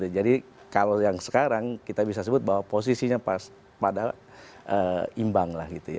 jadi kalau yang sekarang kita bisa sebut bahwa posisinya pas pada imbang